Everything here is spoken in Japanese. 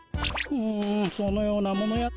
うんそのようなものやったかのう。